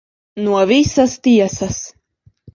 No visas tiesas.